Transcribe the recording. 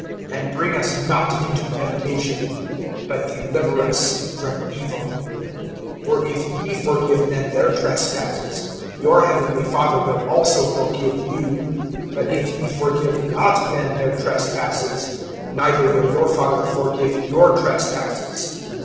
(13)And bring us not into temptation, but deliver us from evil[6:13]. (14)For if ye forgive men their trespasses, your heavenly Father will also forgive you; (15)but if ye forgive not men their trespasses, neither will your Father forgive your trespasses.